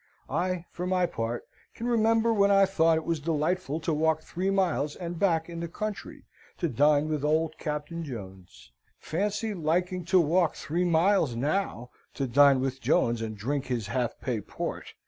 I, for my part, can remember when I thought it was delightful to walk three miles and back in the country to dine with old Captain Jones. Fancy liking to walk three miles, now, to dine with Jones and drink his half pay port!